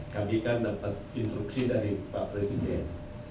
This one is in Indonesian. kami kan dapat instruksi dari pak presiden